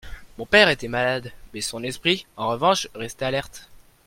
Mon père était malade, mais son esprit, en revanche, restait alerte.